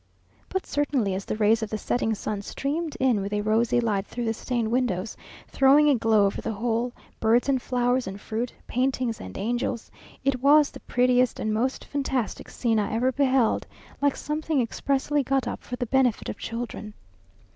But certainly, as the rays of the setting sun streamed in with a rosy light through the stained windows, throwing a glow over the whole; birds, and flowers, and fruit, paintings and angels, it was the prettiest and most fantastic scene I ever beheld, like something expressly got up for the benefit of children.